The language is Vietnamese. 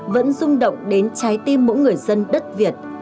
vẫn rung động đến trái tim mỗi người dân đất việt